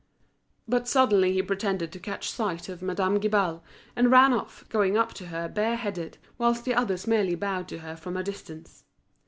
But suddenly he pretended to catch sight of Madame Guibal, and ran off, going up to her bareheaded, whilst the others merely bowed to her from a distance.